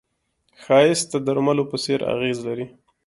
ښایست د درملو په څېر اغېز لري